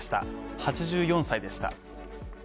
８４歳でした。